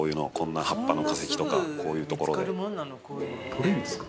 取れるんですか？